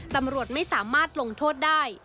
ตำรวจไม่สามารถลงโทษได้